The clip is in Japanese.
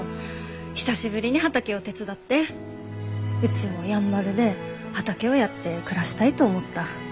久しぶりに畑を手伝ってうちもやんばるで畑をやって暮らしたいと思った。